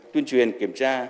tuyên truyền kiểm tra